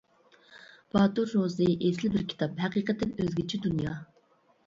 -باتۇر روزى ئېسىل بىر كىتاب ھەقىقەتەن ئۆزگىچە دۇنيا.